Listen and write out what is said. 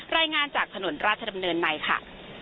รายงานจากถนนราชดำเนินในค่ะ